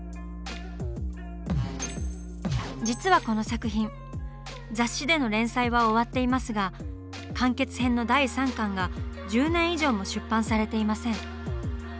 実はこの作品雑誌での連載は終わっていますが完結編の第３巻が１０年以上も出版されていません。